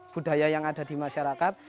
budaya yang ada di masyarakat